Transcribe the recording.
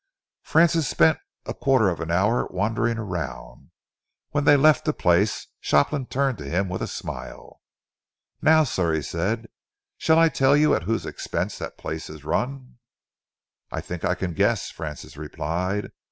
Francis spent a quarter of an hour wandering around. When they left the place, Shopland turned to him with a smile. "Now, sir," he said, "shall I tell you at whose expense that place is run?" "I think I can guess," Francis replied.